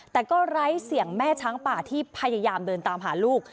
แต่ก็ไร้เสียงแม่ช้างป่าที่พยายามเดินตามหาลูก